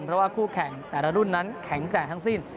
เพราะว่าคู่แข่งแต่ละรุ่นนั้นแข็งแกร่งทั้งสิ้น